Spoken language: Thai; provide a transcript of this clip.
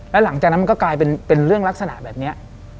แล้วหลังจากนั้นมันก็กลายเป็นเรื่องลักษณะแบบนี้